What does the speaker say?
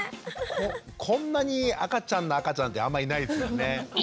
こんなに赤ちゃんな赤ちゃんってあんまりいないですよね。